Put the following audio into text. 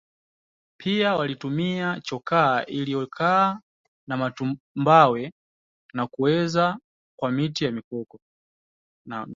pia walitumia chokaa iliyotokana na matumbawe na kuezekwa kwa miti ya mikoko